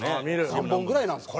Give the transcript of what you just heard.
何本ぐらいなんですか？